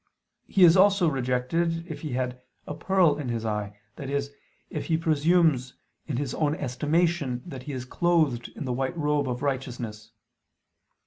He is also rejected if he had "a pearl in his eye," i.e. if he presumes in his own estimation that he is clothed in the white robe of righteousness.